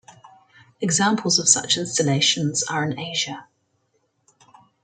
Examples of such installations are in Asia.